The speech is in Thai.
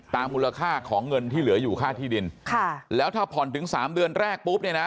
มูลค่าของเงินที่เหลืออยู่ค่าที่ดินค่ะแล้วถ้าผ่อนถึงสามเดือนแรกปุ๊บเนี่ยนะ